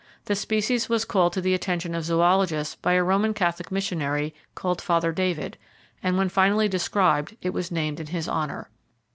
The species was called to the attention of zoologists by a Roman Catholic missionary, called Father David, and when finally described it was named in his honor.